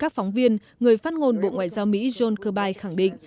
các phóng viên người phát ngôn bộ ngoại giao mỹ john kubay khẳng định